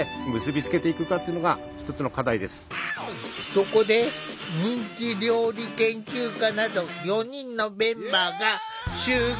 そこで人気料理研究家など４人のメンバーが集結！